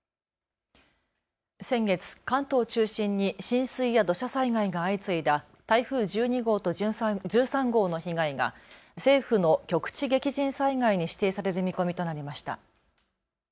先月、関東を中心に浸水や土砂災害が相次いだ台風１２号と１３号の被害が政府の局地激甚災害に指定される見込みとなりました。